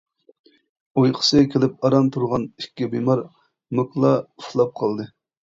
ئۇيقۇسى كېلىپ ئاران تۇرغان ئىككى بىمار موكلا ئۇخلاپ قالدى.